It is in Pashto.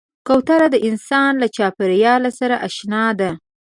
کوتره د انسان له چاپېریال سره اشنا ده.